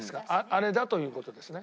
あれだという事ですね。